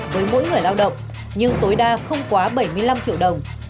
với mỗi người lao động nhưng tối đa không quá bảy mươi năm triệu đồng